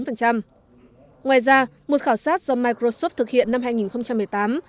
ngoài ra một khảo sát do microsoft thực hiện năm hai nghìn một mươi tám